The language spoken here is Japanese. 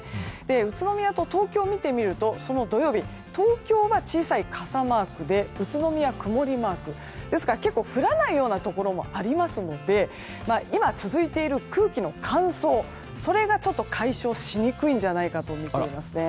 宇都宮と東京を見てみると土曜日東京は小さい傘マークで宇都宮、曇りマーク。ですから結構降らないようなところもありますので今続いている空気の乾燥それが解消しにくいんじゃないかと思っています。